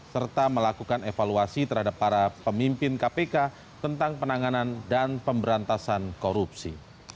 serta melakukan evaluasi terhadap para pemimpin kpk tentang penanganan dan pemberantasan korupsi